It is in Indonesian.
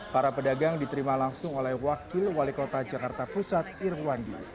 para pedagang diterima langsung oleh wakil wali kota jakarta pusat irwandi